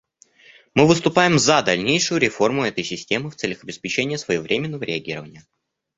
Мы выступаем за дальнейшую реформу этой системы в целях обеспечения своевременного реагирования.